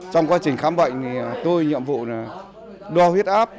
trong quá trình khám bệnh thì tôi nhiệm vụ là đo huyết áp